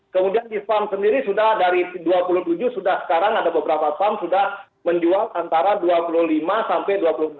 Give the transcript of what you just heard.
kemudian di farm sendiri sudah dari dua puluh tujuh sudah sekarang ada beberapa farm sudah menjual antara dua puluh lima sampai dua puluh enam